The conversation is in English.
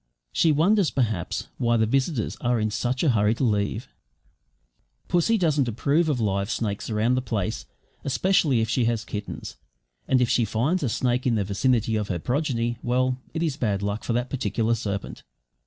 She wonders, perhaps, why the visitors are in such a hurry to leave. Pussy doesn't approve of live snakes round the place, especially if she has kittens; and if she finds a snake in the vicinity of her progeny well, it is bad for that particular serpent.